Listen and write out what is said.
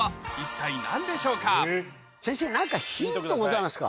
何かヒントございますか？